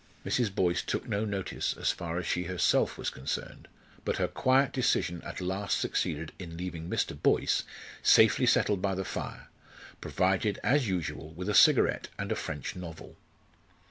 Mrs. Boyce took no notice as far as she herself was concerned, but her quiet decision at last succeeded in leaving Mr. Boyce safely settled by the fire, provided as usual with a cigarette and a French novel.